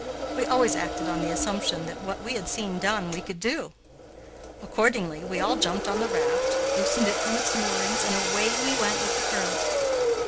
We always acted on the assumption that what we had seen done, we could do. Accordingly we all jumped on the raft, loosened it from its moorings, and away we went with the current.